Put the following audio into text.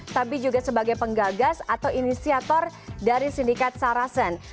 tapi juga sebagai penggagas atau inisiator dari sindikat sarasen